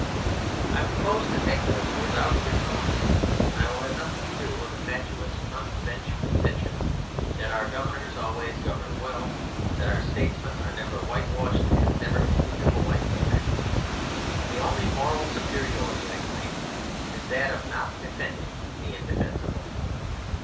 I propose to take those words out of his mouth. I will have nothing to do with the fatuous front bench pretensions that our governors always govern well, that our statesmen are never whitewashed and never in need of whitewash. The only moral superiority I claim is that of not defending the indefensible.